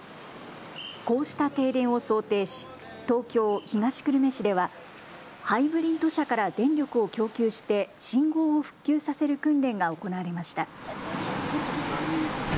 こうした停電を想定し東京東久留米市ではハイブリッド車から電力を供給して信号を復旧させる訓練が行われました。